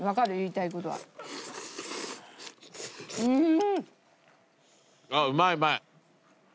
うん。